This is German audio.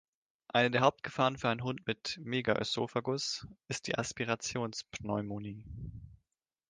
Eine der Hauptgefahren für einen Hund mit Megaösophagus ist die Aspirationspneumonie.